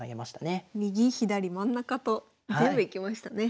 右左真ん中と全部いきましたね。